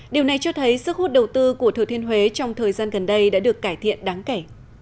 điều này cho thấy sức hút đầu tư của thừa thiên huế trong thời gian gần đây đã được cải thiện đáng kể